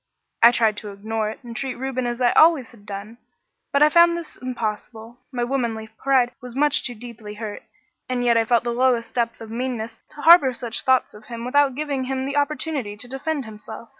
I tried to ignore it and treat Reuben as I always had done, but this I found impossible; my womanly pride was much too deeply hurt. And yet I felt it the lowest depth of meanness to harbour such thoughts of him without giving him the opportunity to defend himself.